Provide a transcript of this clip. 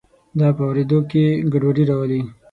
دا په اوریدو کې ګډوډي راولي.